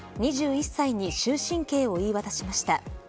２１歳に終身刑を言い渡しました。